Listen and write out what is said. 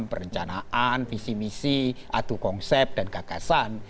perencanaan visi misi adu konsep dan gagasan